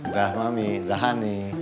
dah mami dah ani